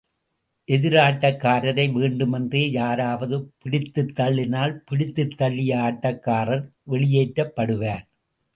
எதிராட்டக்காரரை வேண்டுமென்றே யாராவது பிடித்துத் தள்ளினால், பிடித்துத் தள்ளிய ஆட்டக்காரர் வெளியேற்றப்படுவார்.